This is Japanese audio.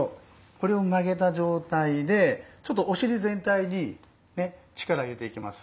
これを曲げた状態でちょっとお尻全体に力入れていきます。